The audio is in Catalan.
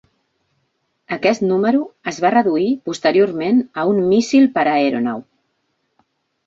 Aquest número es va reduir posteriorment a un míssil per aeronau.